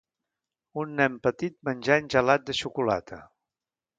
Un nen petit menjant gelat de xocolata.